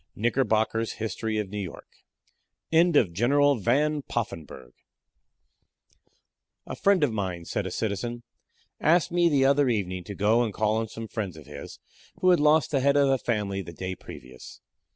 Knickerbocker's History of New York. "A friend of mine," said a citizen, "asked me the other evening to go and call on some friends of his who had lost the head of the family the day previous.